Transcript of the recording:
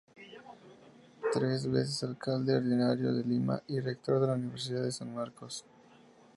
Tres veces alcalde ordinario de Lima y rector de la Universidad de San Marcos.